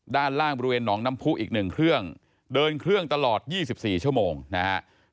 ด้านล่างบริเวณหนองน้ำผู้อีก๑เครื่องเดินเครื่องตลอด๒๔ชั่วโมงนะฮะ